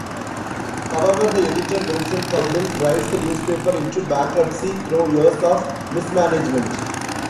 However the editor, Wilson Caudle, drives the newspaper into bankruptcy through years of mismanagement.